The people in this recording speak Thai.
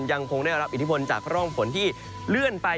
ยังคงได้รับอิทธิพลจากร่องฝนที่เลื่อนไป